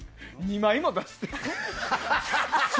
２枚も出してる。